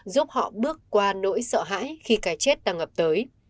giúp họ bước qua nỗi sợ hãi khi cái chết đang ngập tới